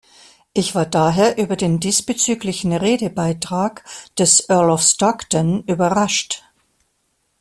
Ich war daher über den diesbezüglichen Redebeitrag des Earl of Stockton überrascht.